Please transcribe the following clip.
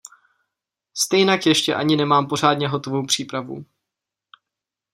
Stejnak ještě ani nemám pořadně hotovou přípravu.